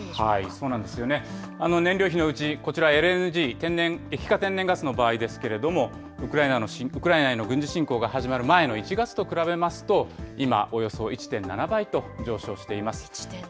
そうですね、燃料費のうち、こちら、ＬＮＧ・液化天然ガスの場合ですけれども、ウクライナへの軍事侵攻が始まる前の１月と比べますと、今およそ１．７倍と上昇しています。